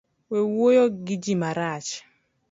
We wuoyo gi ji marach